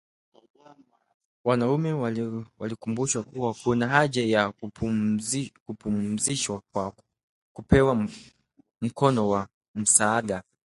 wanaume walikumbushwa kuwa kuna haja ya kupumzishwa kwa kupewa mkono wa msaada